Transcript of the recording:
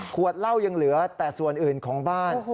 ขวดเหล้ายังเหลือแต่ส่วนอื่นของบ้าน